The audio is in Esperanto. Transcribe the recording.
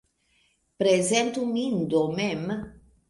Prezentu min do mem!